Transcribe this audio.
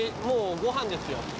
もうご飯ですよ。